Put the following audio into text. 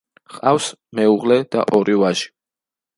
ჰყავს მეუღლე და ორი ვაჟი.